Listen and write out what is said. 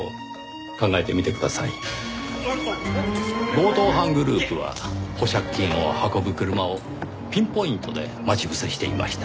強盗犯グループは保釈金を運ぶ車をピンポイントで待ち伏せしていました。